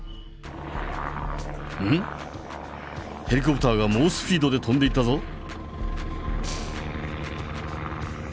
ヘリコプターが猛スピードで飛んでいったぞ！